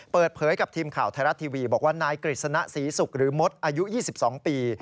เปิดเผยกับทีมข่าวไทยรัฐทีวีบอกว่านายกฤษณะศรีศุกร์หรือมดอายุ๒๒ปี